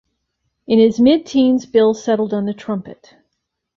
In his mid-teens Bill settled on the trumpet.